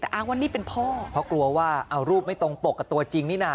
แต่อ้างว่านี่เป็นพ่อเพราะกลัวว่าเอารูปไม่ตรงปกกับตัวจริงนี่น่ะ